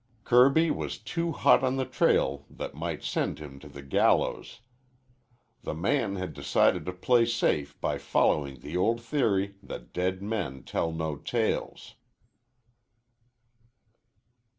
Kirby was too hot on the trail that might send him to the gallows. The man had decided to play safe by following the old theory that dead men tell no tales.